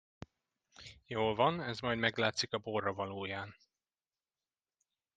Jól van, ez majd meglátszik a borravalóján.